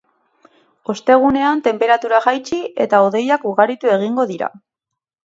Ostegunean tenperatura jaitsi, eta hodeiak ugaritu egingo dira.